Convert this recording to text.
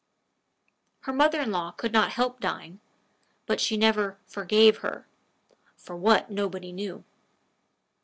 Her mother in law could not help dying; but she never "forgave" her for what, nobody knew.